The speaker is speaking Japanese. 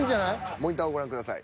モニターをご覧ください。